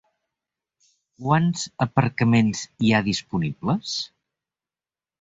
Quants aparcaments hi ha disponibles?